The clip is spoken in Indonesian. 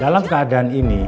dalam keadaan ini